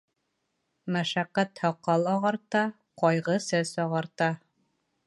Мәшәҡәт һаҡал ағарта, ҡайғы сәс ағарта.